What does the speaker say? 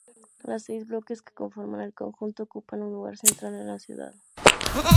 Los seis bloques que conforman el conjunto ocupan un lugar central en la ciudad.